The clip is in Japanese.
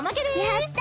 やった！